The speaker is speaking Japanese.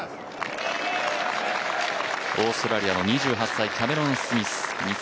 オーストラリアの２８歳キャメロン・スミス。